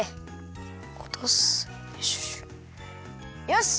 よし！